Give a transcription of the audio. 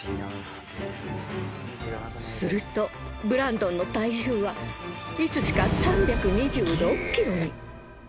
するとブランドンの体重はいつしか３２６ｋｇに。